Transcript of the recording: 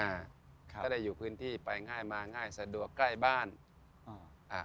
ก็ได้อยู่พื้นที่ไปง่ายมาง่ายสะดวกใกล้บ้านอ่า